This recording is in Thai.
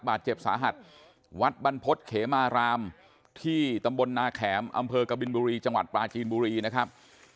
บาดเจ็บสาหัสวัดบรรพฤษเขมารามที่ตำบลนาแขมอำเภอกบินบุรีจังหวัดปลาจีนบุรีนะครับ